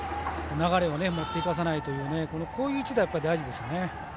流れを持っていかせないというこういう一打、大事ですよね。